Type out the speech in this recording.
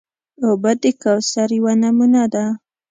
اوبه د کوثر یوه نمونه ده.